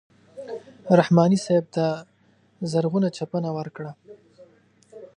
رحماني صاحب ته زرغونه چپنه ورکړه.